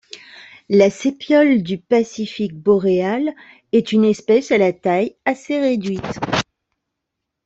La sépiole du Pacifique boréal est une espèce à la taille assez réduite.